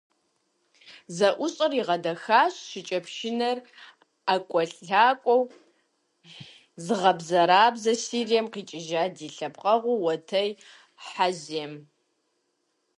ЗэӀущӀэр игъэдэхащ шыкӀэпшынэр ӀэкӀуэлъакӀуэу зыгъэбзэрабзэ, Сирием къикӏыжа ди лъэпкъэгъу - Уэтей Хьэзем.